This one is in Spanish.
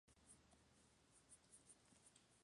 Además es la sobrina de la diseñadora de bolsos Kate Spade.